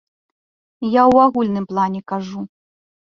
Я ў агульным плане кажу.